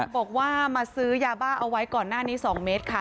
บอกว่ามาซื้อยาบ้าเอาไว้ก่อนหน้านี้๒เมตรค่ะ